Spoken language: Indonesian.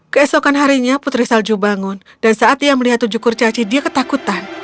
keesokan harinya putri salju bangun dan saat ia melihat tujuh kurcaci dia ketakutan